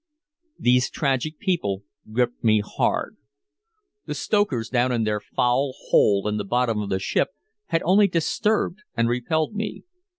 These tragic people gripped me hard. The stokers down in their foul hole in the bottom of the ship had only disturbed and repelled me.